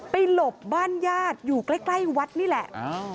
หลบบ้านญาติอยู่ใกล้ใกล้วัดนี่แหละ